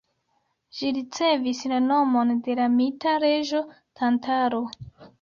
Ĝi ricevis la nomon de la mita reĝo Tantalo.